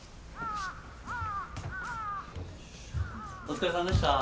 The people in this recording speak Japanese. お疲れさんでした。